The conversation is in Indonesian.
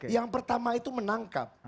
yang pertama itu menangkap